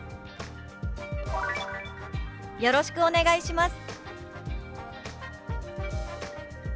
「よろしくお願いします」。